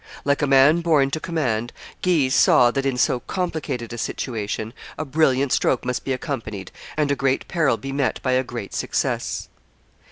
Like a man born to command, Guise saw that, in so complicated a situation, a brilliant stroke must be accomplished and a great peril be met by a great success.